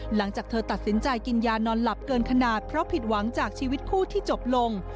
หลังจากเธอตัดสินใจกินยานอนหลับเกินขนาดเพราะผิดหวังจากชีวิตคู่ที่จบลง